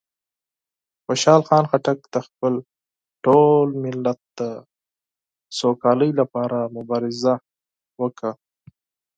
خوشحال خان خټک د خپل ټول ملت د سوکالۍ لپاره مبارزه وکړه.